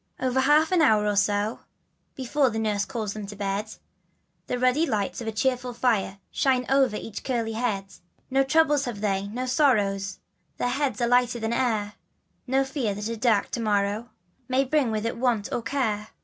NL Y half an hour or so Before nurse calls them to bed, And the ruddy light of a cheerful fire Shines over each curly head. No trouble have they, no sorrow Their hearts are lighter than air, No fear that a dark to morrow May bring with it want or care.